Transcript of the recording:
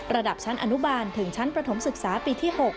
ระดับชั้นอนุบาลถึงชั้นประถมศึกษาปีที่๖